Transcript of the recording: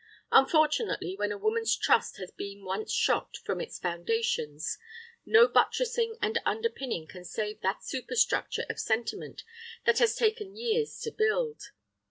Unfortunately, when a woman's trust has been once shocked from its foundations, no buttressing and underpinning can save that superstructure of sentiment that has taken years to build.